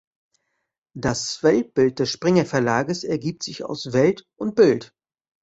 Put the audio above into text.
Das Weltbild des Springer-Verlages ergibt sich aus Welt und Bild.